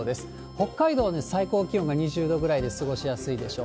北海道で最高気温が２０度ぐらいで過ごしやすいでしょう。